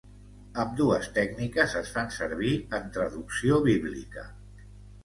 Ambdues tècniques es fan servir en traducció bíblica.